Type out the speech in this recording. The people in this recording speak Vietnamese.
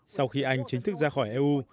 sau khi anh chính thức ra khỏi eu